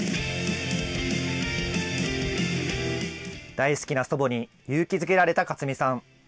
大好きな祖母に勇気づけられた勝見さん。